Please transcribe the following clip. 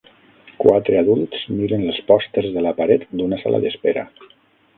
Quatre adults miren els pòsters de la paret d'una sala d'espera.